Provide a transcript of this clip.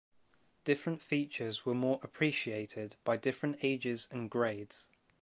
Different features were more appreciated by different ages and grades.